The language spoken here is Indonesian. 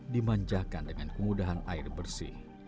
dimanjakan dengan kemudahan air bersih